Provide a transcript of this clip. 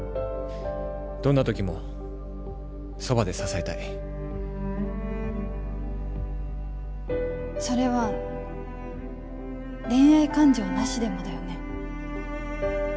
どんな時もそばで支えたいそれは恋愛感情なしでもだよね？